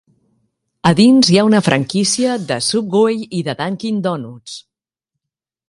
A dins hi ha una franquícia de Subway i de Dunkin' Donuts.